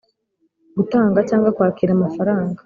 Gutanga cyangwa kwakira amafaranga